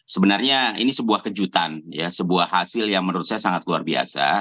sebenarnya ini sebuah kejutan ya sebuah hasil yang menurut saya sangat luar biasa